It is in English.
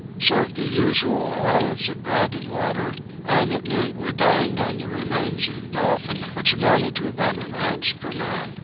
Served the usual allowance of bread and water and at noon we dined on the remains of the dolphin, which amounted to about an ounce per man.